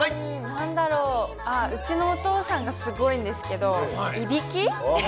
なんだろう、うちのお父さんがすごいんですけど、いびき？